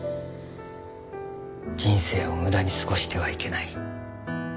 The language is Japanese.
人生を無駄に過ごしてはいけない。